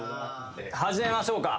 始めましょうか。